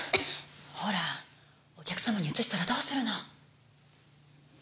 ほらお客様にうつしたらどうするの。